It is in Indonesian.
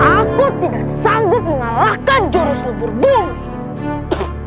aku tidak sanggup mengalahkan jurus lubur burung